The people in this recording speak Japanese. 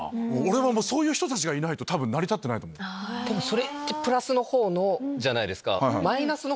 それってプラスの方のじゃないですか。